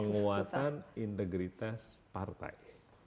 penguatan integritas partai